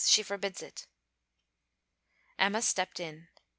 She forbids it.' Emma stepped in.